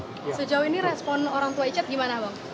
sejauh ini respon orang tua richard gimana bang